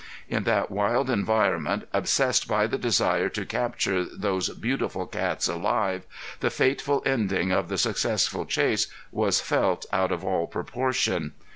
In that wild environment, obsessed by the desire to capture those beautiful cats alive, the fateful ending of the successful chase was felt out of all proportion.